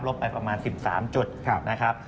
ไปประมาณ๑๓จุดนะครับ